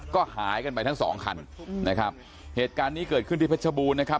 ก็หายกันไปทั้งสองคันนะครับเหตุการณ์นี้เกิดขึ้นที่เพชรบูรณ์นะครับ